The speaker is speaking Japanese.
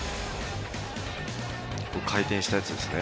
回転したやつですね。